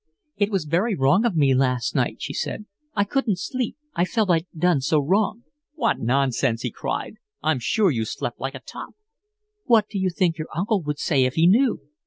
"It was very wrong of me last night," she said. "I couldn't sleep, I felt I'd done so wrong." "What nonsense!" he cried. "I'm sure you slept like a top." "What do you think your uncle would say if he knew?"